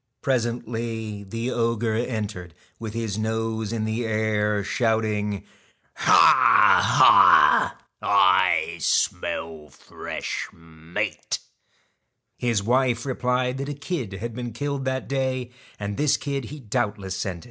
Presently the ogre entered, with his nose in the air, shouting :' Ha ! Ha ! I smell fresh meat.' His wife replied that a kid had been killed that day, and this kid he doubtless scented.